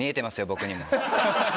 僕にも。